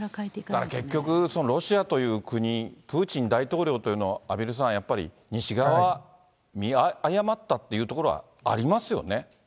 だから結局、ロシアという国、プーチン大統領というのは、畔蒜さん、やはり、西側は見誤ったっていうところはありますよね。